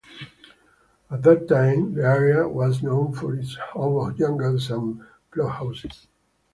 At that time, the area was known for its hobo jungles and flophouses.